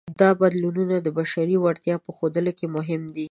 دا بدلونونه د بشري وړتیا په ښودلو کې مهم دي.